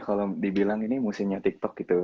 kalau dibilang ini musimnya tiktok gitu